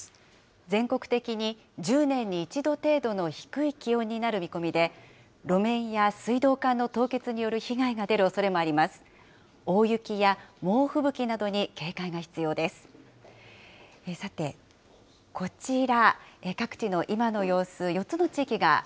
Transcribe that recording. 全国的に１０年に一度程度の低い気温になる見込みで、路面や水道管の凍結による被害が出るおそれもあります。